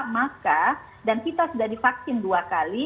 maka dan kita sudah divaksin dua kali